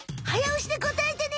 おしでこたえてね！